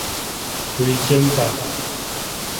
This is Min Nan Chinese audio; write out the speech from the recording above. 灰指甲